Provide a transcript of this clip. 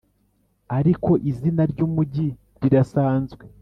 ariko izina ry'umujyi rirasanzwe.